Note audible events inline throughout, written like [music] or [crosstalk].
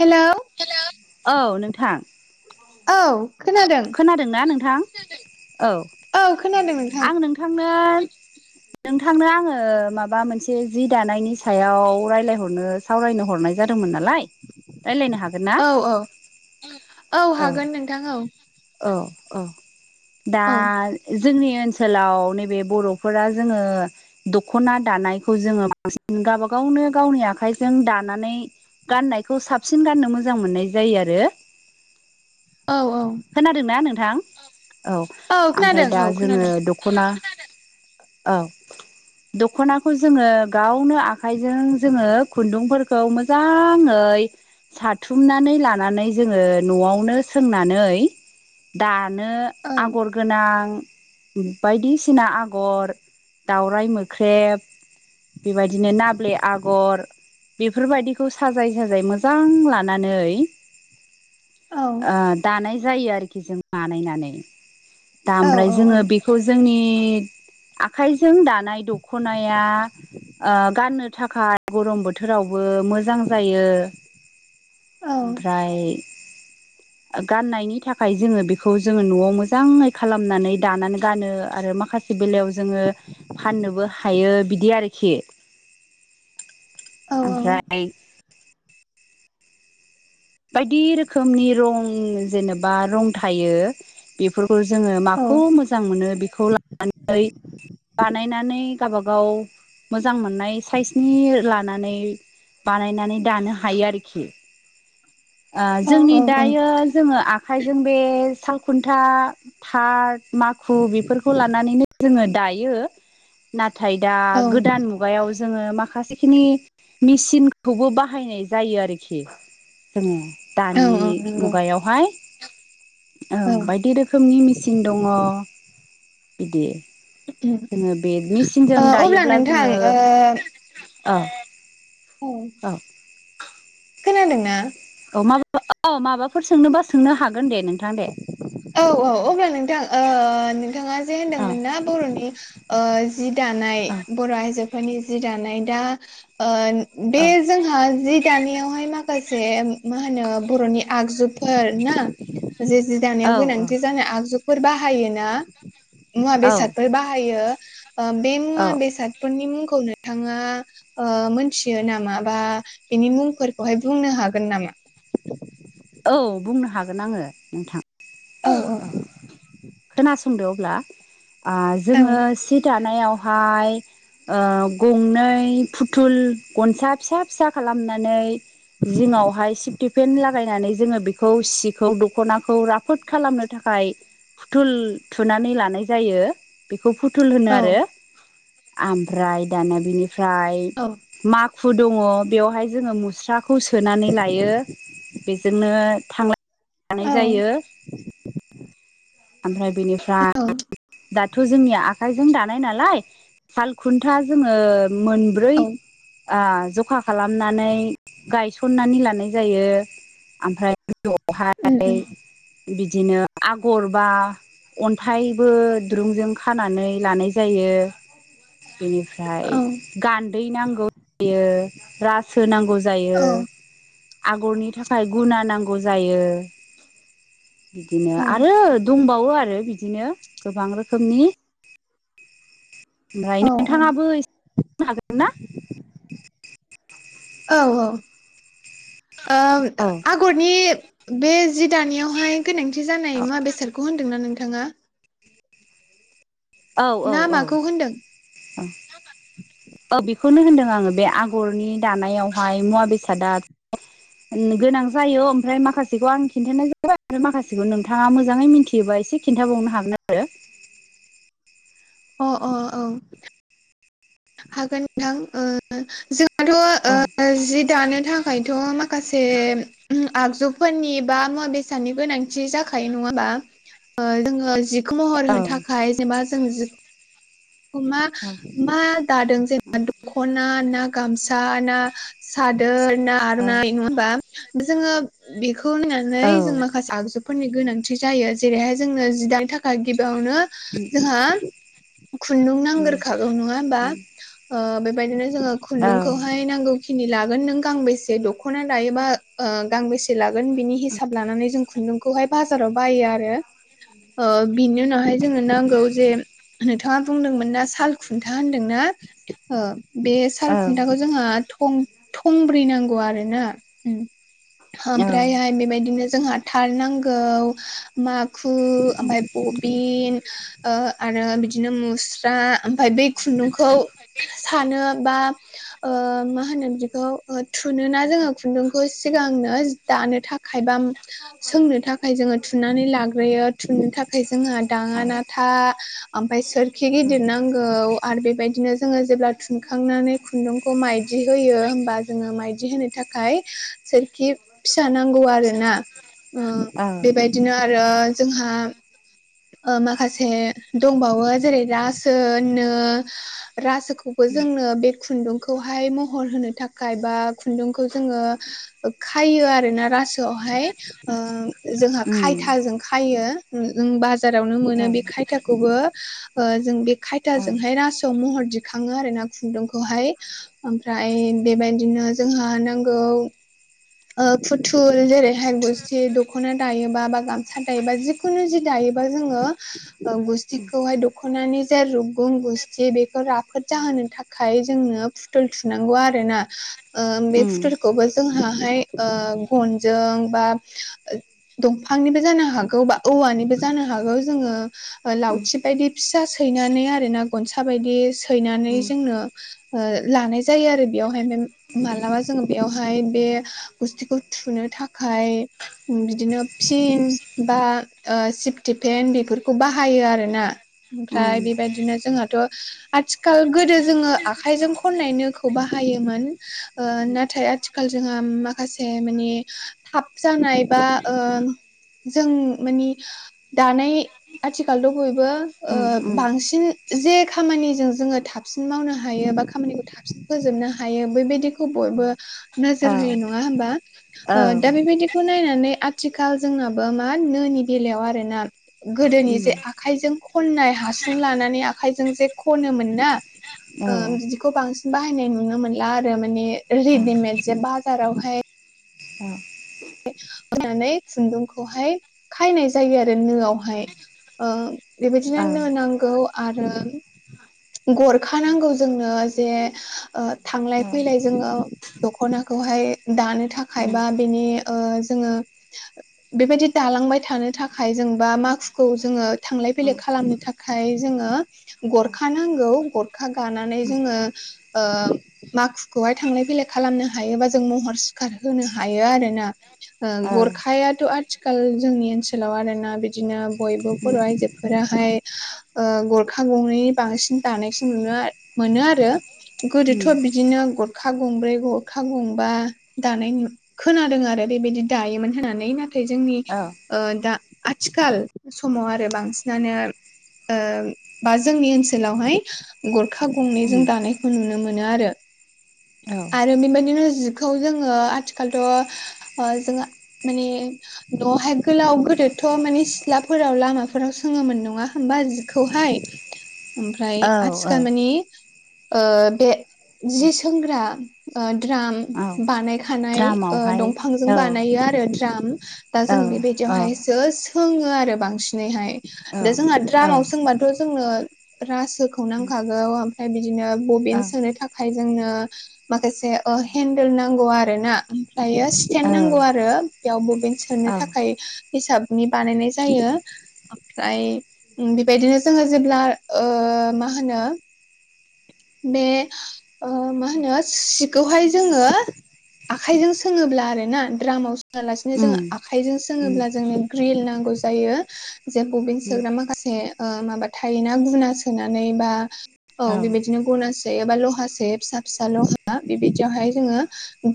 Hello हेल' औ नोंथां। औ। खोनादों खोनादोंना नोंथां औ औ खोनादों नोंथां आं नोंथांनो नोंथांनो आङो माबा मोनसे जि दानायनि सायाव रायलायहरनो सावरायनो हरनाय जा मोन नालाय रायलायनो हागोन ना औ औ औ। हागोन नोंथां औ औ औ दा औ जोंनि ओनसोलाव नैबे बर'फोरा जोङो दख'ना दानायखौ जोङो बांसिन गावबा गावनो गावनि आखाइजों दानानै गाननायखौ साबसिन गाननो मोजां मोननाय जायो आरो। औ औ खोनादोंना नोंथां औ आमफ्राय खोनादों दा औ जोङो खोनादों दख'ना औ। दखनाखौ जोङो गावनो आखाइजों जोङो खुन्दुंफोरखौ मोजाङ यै साथुमनानै लानानै जोङो न'आवनो सोंनानै दानो औ आगर गोनां बायदिसिना आगर दावराइ मोख्रेब बेबायदिनो नाब्ले आगर बेफोरबायदिखौ साजाय साजाय मोजां लानानै औ ओ दानाय जायो आरोखि जों बानायनानै। दा औ ओमफ्राय औ जोङो बिखौ जोंनि आखाइजों दानाय दख'नाया ओ गाननो थाखाय गरम बोथोरावबो मोजां जायो। औ ओमफ्राय गाननायनि थाखाय जोङो बिखौ जोङो न'आव मोजाङै खालामनानै दानानै गानो आरो माखासे बेलायाव जोङो फाननोबो हायो बिदि आरोखि। औ ओमफ्राय। बायदि रोखोमनि रं जेनेबा रं थायो बिफोर फोर जोङो माखौ मोजां मोनो बेखौ लानानै बानायनानै गावबागाव मोजां मोननाय साइसनि लानानै बानायनानै दानो हायो आरोखि। ओ जोंनि दायो जोङो आखाइजों बे सालखुन्था थार माखु बिफोरखौ लानानैनो जोङो दायो ना थाय दा औ औ गोदान मुगायाव जोङो माखासेखिनि मिसिनखौबो बाहायनाय जायो आरोखि जोङो औ दानि औ नंगौ मुगायावहाय औ बायदि रोखोमनि मिसिन दङ बिदि जोंङो बे मेसिनजों अब्ला दायोब्ला नोंथां जोंङो। औ ओ औ। खोनादोंना। औ माबा औ माबाफोर सोंनोबा सोंनो हागोन दे नोंथां दे। औ औ अब्ला नोंथां ओ नोंथाङा जे औ होनदोंमोन ना बर'नि। जि दानाय औ बर आइजोफोरनि जि दानाय दा। बे औ जोंहा जि दानायावहाय माखासे। जे मा होनो बर'नि आगजुफोर ना जे। औ जानायाव गोनांथि जानाय आगजुफोर बाहायो ना मुवा औ बेसादफोर बाहायो। बे औ मुङा बेसादफोरनि मुं। नोंथाङा ओ मोनथियो नामा बा बिनि मुंफोरखौहाय बुंनो हागोन नामा? [unintelligible] [inaudible] औ बुंनो हागोन आंङो नोंथां औ खोनासं संदों अब्ला औ जोंङो सि दानायाव फाय ओ गंनै फुथुल गनसा फिसा फिसा खालामनानै जिंआवहाय सिथिफेन लागायनानै जोंङो बेखौ सिखौ दखनाखौ राफोद खालामनो थाखाय फुथुल थुनानै लानाय जायो बे खौ फुथुल होनो औ आरो आमफ्राय दाना बेनिफ्राय औ माखु माखु दङ बेयावहाय जोंङो मुस्राखौ सोनानै लायो बेजोंनो दानाय जायो औ ओमफ्राय बेनिफ्राय दाथ जोंनि आखाइजों दानाय नालाय सालखुन्था जोंङो मोनब्रै औ ओ जखा खालामनानै गायसननानै लानाय जायो आमफ्राय उम गोजौआवहाय उम बिदिनो आगर बा अन्थाइ बो दुरुंजों खानानै लानाय जायो। बेनिफ्राय औ गान्दै नांगौ जायो रासो नांगौ जायो। औ आगरनि थाखाय गुना नांगौ जायो। बिदिनो औ आरो दंबावो आरो बिदिनो गोबां रोखोमनि ओमफ्राय औ नोंथांङाबो एसेनो हागोन ना औ औ ओ औ आगरनि बे जि दानायावहाय गोनांथि जानाय मुवा बेसादखौ होनदोंना नोंथाङा? औ औ ना औ माखौ होनदों? औ बेखौनो होनदों आंङो बे आगरनि दानायाव हाय मुवा बेसादा गोनां जायो ओमफ्राय माखासेखौ आं खिन्थानाय जाबाय माखासेखौ नोंथाङा मोजाङै मिथियोबा एसे खिन्थाबावनो हागोन आरो अ अ औ हागोन नोंथां ओ जों दाथ औ ओ जि दानो थाखायथ माखासे आगजुफोरनि बा मुवा बेसादनि गोनांथि जाखायो नङा होमबा ओ जोंङो जिखौ महर औ होनो थाखाय जेनेबा जों मा मा दादों जेनबा दखना ना गामसा ना सादोर ना औ आरनाइ नङा होमबा जोंङो खौ औ नायनानै जों माखासे आगजुफोरनि गोनांथि जायो जेरैहाय जोंनो जिदानो थाखा गिबियाव यावनो जोंहा खुन्दुं नांगोरखागौ नङा होनबा ओ बेबायदिनो जोंङो औ खुन्दुंखौहाय नांगौखिनि लागोन नों गांबेसे दखना दायोबा गांबेसे लागोन बिनि हिसाब लानानै जों खुन्दुंखौहाय बाजाराव बायो आरो ओ बिनि उनावहाय जोंनो नांगौ जे नोंथांङा बुंदोंमोन ना साल खुन्था होनदोंना ओ बे सालखुन्थाखौ जोंहा थं थंब्रै नांगौ आरो ना उम ओमफ्रायहाय बेबायदिनो जोंहा थार नांगौ माग खु आमफ्राय बबिन‌ ओ आरो बिदि बिदिनो मुस्रा ओमफ्राय बे खुन्दुंखौ सानो बा ओ मा मा होनो बिखौ ओ थुुनोना जोङो खुन्दुंखौ सिगांनो दानो थाखाय खायबा सोंनो थाखाय जोङो थुनानै लाग्रोयो थुननो थाखाय जोंहा औ दाङा ना था आ ओमफ्राय सोरखि गिदिर नांगौ आरो बेबायदिनो जोङो जेब्ला थुनखांनानै खुन्दुंखौ माइदि दि होयो होमबा जोङो माइदि होनो थाखाय सोरखि फिसा नांगौ आरो ना ओ बेबायदिनो आरो जोंहा ओ माखासे दंबावो जेरै रासो नो रासोखौबो जोंनो बे खुन्दुं खौहाय महर होनो थाखाय बा खुन्दुंखौ जोङो खायो आरोना रासोआवहाय ओ जोंहा खायथाजों खायो बा जो बारावनो औ मोनो औ बे खायथाखौबो ओ जों बे खायथाजोंहाय रासोआव महर दिखाङो आरो ना खुन्दुंखौहाय ओमफ्राय बेबायदिनो जोंहा नांगौ ओ फुथुल जेरैहाय गुस्थि दख'ना दायोबा बा गामसा दायोबा जिखुनु जि दायो रोंबा जोंङो ओ गुस्थिखौहाय दख'नानि जा‌ रुगुं गुस्थि बेखौ राफोद जाहो होनो थाखाय जोंनो फुथुल थुनांगौ आरोना बे ओ फुथुलखौबो जोंहाहाय ओ गनजों बा दंफांनिबो जानो हागौ बा औवानिबो जानो हागौ जोङो लावथि बायदि फिसा सै सैनानै आरो ना गनसा बायदि सैनानै जोंनो ओ‌ लानाय जायो आरो बेयावहाय मालाबा जोङो बेयावहाय बे गुस्थिखौ थुनो थाखाय बिदिनो पिन बा सिफटिपेन बेफोरखौ बाहायो आरोना ओमफ्राय बेबायदिनो जोंहाथ' आथिखाल गोदो जोङो आखाइजों खननाय नोखौ बाहाय हायोमोन ओ‌ नाथाय आथिखाल जोंहा मा माखासे मानि थाब जानाय बा ओ जों मानि दानाय आथिखालथ' बय बो ओ‌ बांसिन जे खामानिजों जोङो थाबसिन मावनो हायो बा खामानिखौ थाबसिन फोजोबनो हायो बेबायदिखौ बयबो नोजोर होयो नङा होमबा ओ दा बेबायदिखौ नायनानै आथिखाल जोंनाबो मा नोनि बेलायाव आरोना गोदोनि जे आखायजों खननाय हासुं लानानै आखाइजों जे खनोमोन ना ओ बिदिखौ बांसिन बाहायनाय नुनो मोनला आरो माने रेडिमेद जे बा जारावहाय होनानै खुन्दुंखौहाय खायनाय जायो आरो नोआवहाय ओ बेबायदिनो नो‌ नांगौ आरो गरखानांगौ जोंनो जे थांलाय फैलाय जोङो दख'नाखौ खौहाय दानो थाखाय बा बेनि ओ‌ जोङो बेबायदि दालांबाय थानो थाखाय जों बा माकुखौ जोङो थां लाय फैलाय खालामनो थाखाय जोङो गरखा नांगौ गरखा गानानै जोङो ओ माखुखौहाय थांलाय फैलाय खालामनो हायोबा जों महर सिखार होनो हायो आरो ना। ओ गरखायाथ' आथिखाल जोंनि ओनसोलाव आरोना बिदिनो बयबो बर' आइजोफोरा हाय ओ गरखा गंनै बांसिन दानायखौ नुनो मोनो आरो गोदोथ' बिदिनो गरखा गंब्रै गरखा गंबा दानाय खोनादों आरो बेबायदि दायोमोन होननानै नाथाय जोंनि ओ दा आथिखाल समाव आरो बांसिनानो ओम बा जोंनि ओनसोलावहाय ग' खा गंनैजों दानायखौ नुनो मोनो आरो आरो बेबायदिनो जिखौ जों आथिखालथ' जों माने दहाइ गोलाव थोथ' माने सिथ्लाफोराव लामाफोराव सोङोमोन नङा होमबा जिखौहाय। ओमफ्राय आथिखाल मानि ओ बे जि सोंग्रा द्राम बानाय थानाय द्रामावहाय दंफांजों औ बानायो आरो द्राम दा औ जों औ बेबायदियावहाय सो सोङो आरो बांसिनैहाय औ दा जोंहा द्रामाव सोंबाथ' जोंनो राज होखौ नांखागौ ओमफ्राय बिदिनो बबेन सोनो थाखाय जोंनो ओ माखासे हन्देल नांगौ आरोना दायो औ स्टेेनड नांगौ आरो बेयाव ममेन्ट सोनो औ थाखाय हिसाबनि बानायनाय जायो ओमफ्राय बेबायदिनो जोङो जेब्ला ओ माहोनो बे ओ मा होनो सिखौहाय जोङो आखाइजों सोङोब्ला आरो ना द्रामाव सोङा लासेनो जोङो उम आखाइजों उम सोङोब्ला जोंनो ग्रिल नांगौ जायो जे बबिन सोग्रा माखासे माबा थायोना गुना सोनानै बा औ बेबायदिनो गना सो एबा लहा सो फिसा फिसा लहा बेबायदियावहाय जोङो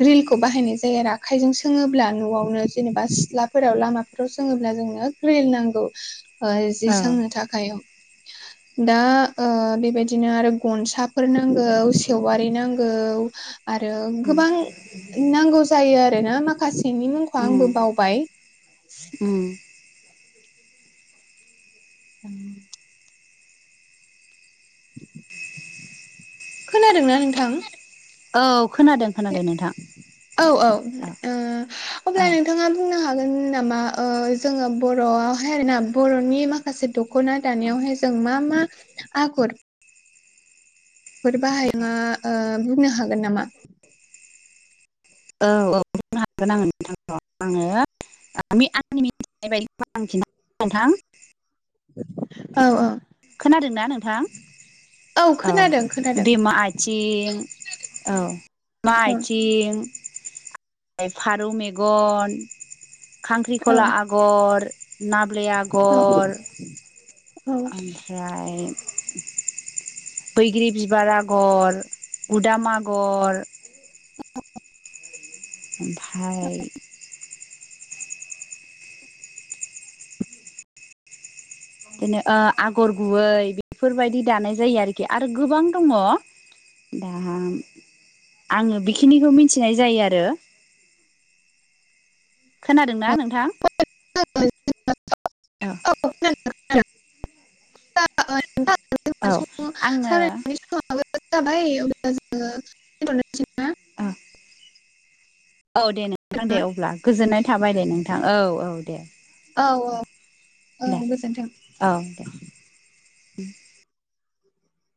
ग्रिलखौ बाहायनाय जायो आरो आखाइजों सोङोब्ला न'आवनो जेनेबा सिथ्लाफोराव लामाफोराव सोङोब्ला जोंनो ग्रि फिन्नांगौ ओ जि सोंनो थाखाय दा बेबादि बिदिनो आरो गनसाफोर नांगौ सेवारि नांगौ आरो उम गोबां। नांगौ जायो आरो ना माखासेनि मुंखौ आंबो बावबाय। ओम [unintelligible] [inaudible] [unintelligible] [inaudible] खोनादोंना नोंथां? औ खोनादों खोनादों नोंथां औ औ ओ औ अब्ला औ नोंथाङा बुंनो हागोन नामा ओ जोङो बर'आवहाय आरोना बर'नि माखासे दख'ना दानायाव बेवहाइ जों म मा आगर फोर बाहाया बुंनो हागोन नामा औ बुंनो हागोन आं नोंथां आङो आंनि मिथिनाय बायदि आं खिन्थ नोंथां औ औ खोनादोंना नोंथां? औ खोनादों खोनादों दैमा आथिं औ मा औ आथिं फारौ मेगन खांख्रिखला औ आगर नाबले आगर औ ओमफ्राय बैग्रि बिबार आगर उदाम आगर औ ओमफ्राय बिदिनो आगर गुबै बेफोरबायदि दानाय जायो आरोखि आरो गोबां दङ' दा आङो बेखिनिखौ मिथिनाय जायो आरो। खोनादोंना नोंथां [unintelligible] औ [inaudible] [unintelligible] [inaudible] औ [unintelligible] आङो [inaudible] [unintelligible] [inaudible] अ' औ दे नोंथां दे ना अब्ला गोजोननाय थाबाय दे नोंथां औ औ दे। औ औ औ दे गोजोन्थों औ दे।